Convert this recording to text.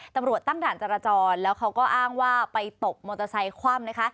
ตำรวจตั้งด่านจราจรแล้วเขาก็อ้างว่าไปตกมอเตอร์ไซค์คว่ำนะคะ